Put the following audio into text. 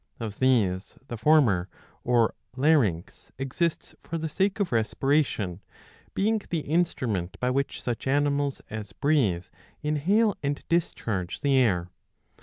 Of these the former, or larynx, exists for the sake of respiration, being the instrument by which such animals as breathe inhale and discharge the air.